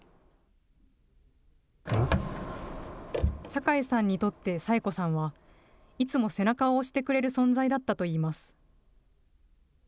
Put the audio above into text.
酒井さんにとって佐江子さんは、いつも背中を押してくれる存在だったといいます。